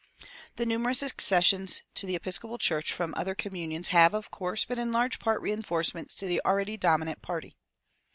The numerous accessions to the Episcopal Church from other communions have, of course, been in large part reinforcements to the already dominant party.